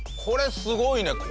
これすごいね。